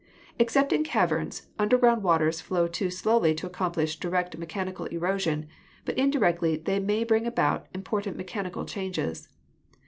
Except in caverns, underground waters flow too slowly to accomplish direct mechanical erosion, but indirectly they may bring about important mechanical changes.